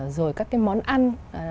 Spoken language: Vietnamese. rồi các cái món ăn